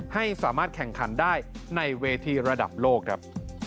ให้สามารถแข่งขันได้ในเวทีระดับโลกครับ